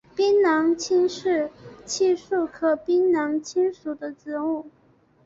槟榔青是漆树科槟榔青属的植物。